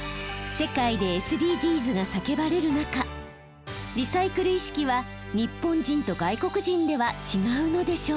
世界でＳＤＧｓが叫ばれる中リサイクル意識は日本人と外国人では違うのでしょうか？